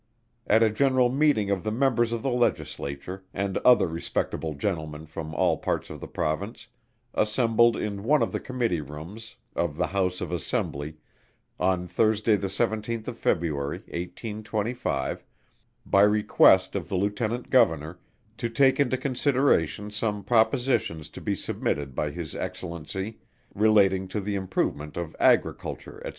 At a general meeting of the Members of the Legislature, and other respectable Gentlemen from all parts of the Province, assembled in one of the Committee Rooms of the House of Assembly on Thursday the 17th of February, 1825, by request of the LIEUTENANT GOVERNOR, to take into consideration some propositions to be submitted by his Excellency, relating to the improvement of Agriculture, &c.